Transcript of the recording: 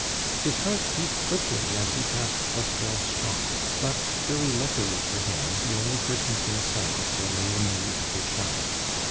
His heart beat quickly as he passed Postel's shop; but, very luckily for him, the only persons inside it were Leonie and her child.